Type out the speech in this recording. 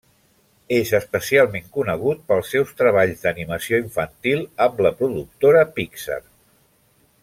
És especialment conegut pels seus treballs d'animació infantil amb la productora Pixar.